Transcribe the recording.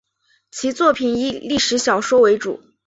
其作品以历史小说为主。